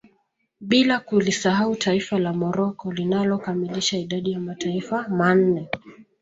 Bila kulisahau taifa la Morocco linalo kamilisha idadi ya mataifa manne